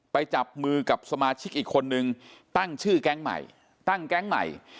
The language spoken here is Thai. จับมือกับสมาชิกอีกคนนึงตั้งชื่อแก๊งใหม่ตั้งแก๊งใหม่